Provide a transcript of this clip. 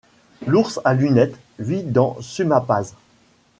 L'ours à lunettes vit dans Sumapaz.